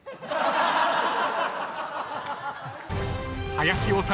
［林修